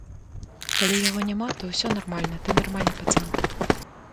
Калі яго няма, то ўсё нармальна, ты нармальны пацан.